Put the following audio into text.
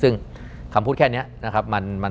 ซึ่งคำพูดแค่นี้นะครับ